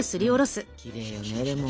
きれいよねレモン